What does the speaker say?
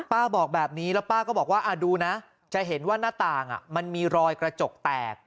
บอกแบบนี้แล้วป้าก็บอกว่าดูนะจะเห็นว่าหน้าต่างมันมีรอยกระจกแตก